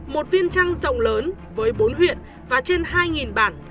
một viên trăng rộng lớn với bốn huyện và trên hai bản